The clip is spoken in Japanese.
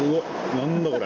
なんだこれ。